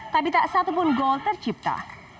tapi tak satu pun gol tercipta